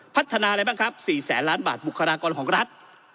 พัฒนาอะไรบ้างครับ๔แสนล้านบาทบุคลากรของรัฐ